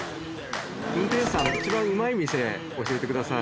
運転手さん一番うまい店教えてください。